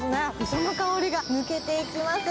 磯の香りが抜けていきます。